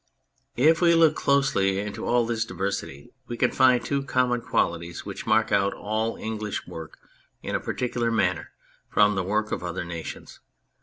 If we look closely into all this diversity we can find two common qualities which mark out all English work in a particular manner from the work of other nations.